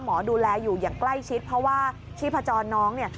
หมอดูแลอยู่อย่างใกล้ชิดเพราะว่าชีพจรน้องเนี่ย